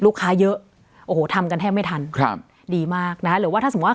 เยอะโอ้โหทำกันแทบไม่ทันครับดีมากนะคะหรือว่าถ้าสมมุติ